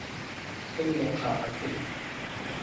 ซึ่งลงข่าวทักษิณ